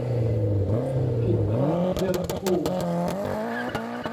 พิณพาทย์เครื่องคู่